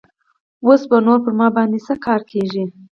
اوس به نور پر ما باندې څه کار کيږي.